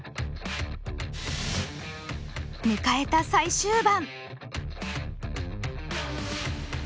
迎えた最終盤。